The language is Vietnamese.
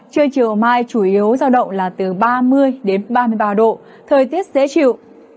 trưa chiều mai chủ yếu giao động là từ ba mươi đến ba mươi ba độ thời tiết dễ chịu